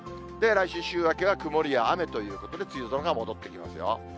来週、週明けは曇りや雨ということで、梅雨空が戻ってきますよ。